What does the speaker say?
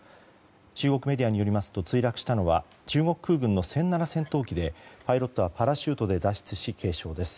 中国メディアによりますと墜落したのは中国空軍の殲７戦闘機でパイロットはパラシュートで脱出し軽傷です。